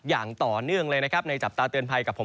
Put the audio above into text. อย่างต่อเนื่องเลยนะครับในจับตาเตือนภัยกับผม